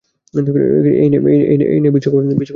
এই নে আরো বিশ রূপি দে।